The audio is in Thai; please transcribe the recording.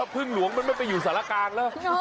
พึ่งหลวงมันไม่ไปอยู่สารกลางแล้ว